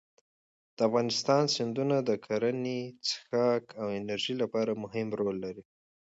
د افغانستان سیندونه د کرنې، څښاک او انرژۍ لپاره مهم رول لري.